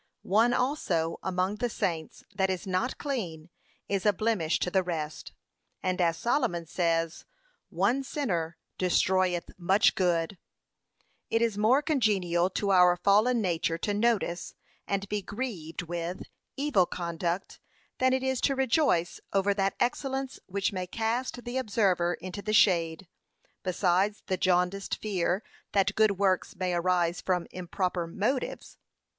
One also, among the saints, that is not clean, is a blemish to the rest, and as Solomon says, 'One sinner destroyeth much good.' p. 527. It is more congenial to our fallen nature to notice, and be grieved with, evil conduct, than it is to rejoice over that excellence which may cast the observer into the shade; besides the jaundiced fear that good works may arise from improper motives.